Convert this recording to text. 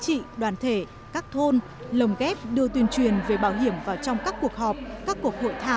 sinh sống tại quốc gia